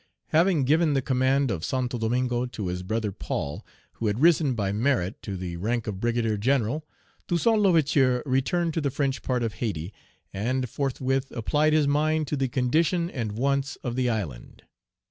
Having given the command of Santo Domingo to his brother Paul, who had risen by merit to the rank of brigadier general, Toussaint L'Ouverture returned to the French part of Hayti, and forthwith applied his mind to the condition and wants of the island.